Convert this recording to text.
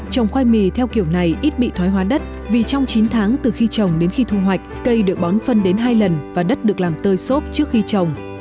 trồng khoai mì theo kiểu này ít bị thoái hóa đất vì trong chín tháng từ khi trồng đến khi thu hoạch cây được bón phân đến hai lần và đất được làm tơi xốp trước khi trồng